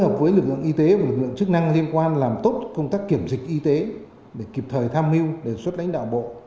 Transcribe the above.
công tác y tế và lực lượng chức năng liên quan làm tốt công tác kiểm dịch y tế để kịp thời tham mưu đề xuất đánh đạo bộ